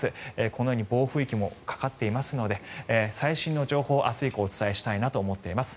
このように暴風域もかかっていますので最新の情報を明日以降もお伝えしたいと思います。